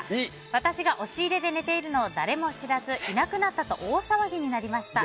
私が押し入れで寝ているのを誰も知らずいなくなったと大騒ぎになりました。